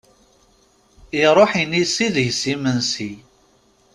Iṛuḥ inisi deg-s imensi!